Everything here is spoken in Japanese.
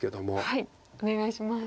はいお願いします。